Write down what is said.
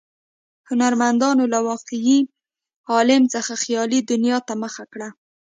هنرمندانو له واقعي عالم څخه خیالي دنیا ته مخه کړه.